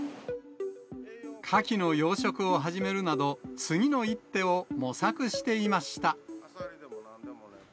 かきの養殖を始めるなど、次の一手を模索していました。